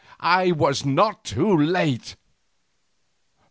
I was not too late.